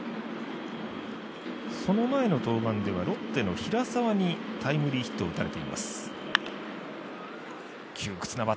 その前の登板ではロッテの平沢にタイムリーヒットを打たれています。